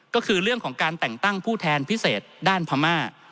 ก็คือเรื่องของการแต่งตั้งผู้แทนพิเศษด้านพม่า